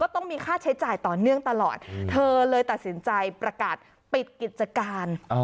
ต้องมีค่าใช้จ่ายต่อเนื่องตลอดเธอเลยตัดสินใจประกาศปิดกิจการ